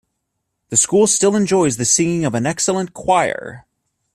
The school still enjoys the singing of an excellent choir.